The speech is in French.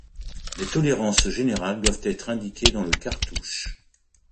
Les tolérances générales doivent être indiquées dans le cartouche.